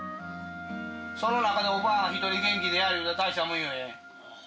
その中でおばあ、一人元気でやりよる、大したもんよ。